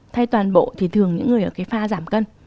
thay toàn bộ thì thường những người ở cái pha giảm cân